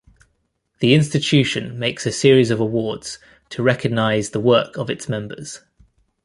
The Institution makes a series of awards to recognise the work of its members.